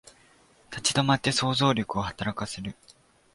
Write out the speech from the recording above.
立ち止まって想像力を働かせる